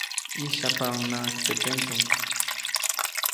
ʼYĩsyajpaʼunhnaʼajk teʼ tendsuŋ.